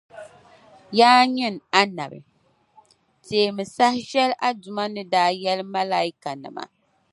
Yaa nyini Annabi! Teemi saha shεli a Duuma ni daa yεli Malaaikanima.